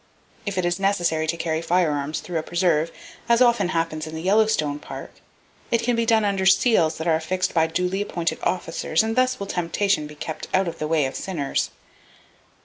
If it is necessary to carry firearms through a preserve, as often happens in the Yellowstone Park, it can be done under seals that are affixed by duly appointed officers and thus will temptation be kept out of the way of sinners.